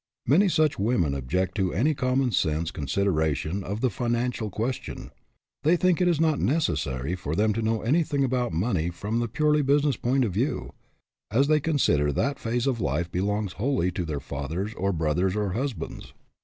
Many such women object to any common sense consideration of the financial question. They think it is not necessary for them to know anything about money from the purely business point of view, as they consider that phase of life belongs wholly to their fathers or brothers or husbands.